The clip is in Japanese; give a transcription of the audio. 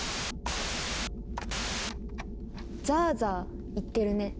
ザーザーいってるね。